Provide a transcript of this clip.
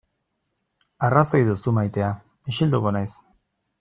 Arrazoi duzu maitea, isilduko naiz.